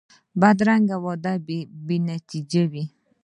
بدرنګه وعدې بې نتیجې وي